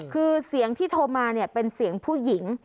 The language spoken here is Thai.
คือเสียงที่โทรมาเนี่ยเป็นเสียงผู้หญิง